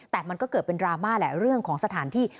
แต่มันก็เกิดเป็นดราม่าแหละเรื่องของสถานที่